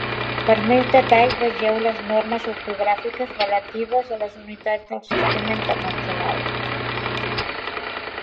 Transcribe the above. Per més detalls, vegeu les normes ortogràfiques relatives a les unitats del Sistema Internacional.